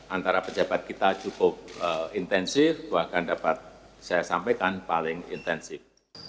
antara pejabat kita cukup intensif bahkan dapat saya sampaikan paling intensif